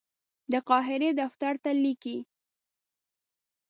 د قاهرې دفتر ته لیکي.